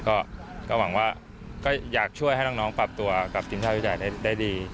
ก็หวังว่าก็อยากช่วยให้น้องปรับตัวกับทีมชาติชุดใหญ่ได้ดี